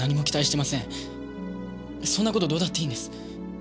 そんな事どうだっていいんです。